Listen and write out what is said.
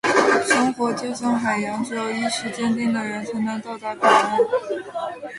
生活就像海洋，只有意志坚强的人，才能到达彼岸。